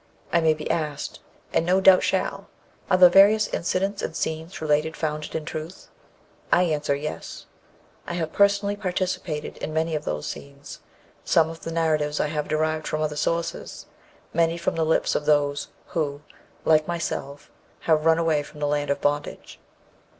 I may be asked, and no doubt shall, Are the various incidents and scenes related founded in truth? I answer, Yes. I have personally participated in many of those scenes. Some of the narratives I have derived from other sources; many from the lips of those who, like myself, have run away from the land of bondage.